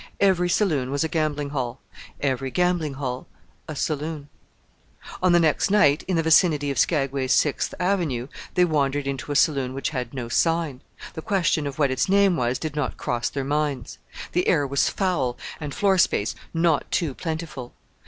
Every saloon was a gambling hall: every gambling hall a saloon. On the next night, in the vicinity of Skagway's Sixth Avenue, they wandered into a saloon which had no sign: the question of what its name was did not cross their minds! The air was foul, and floor space not too plentiful.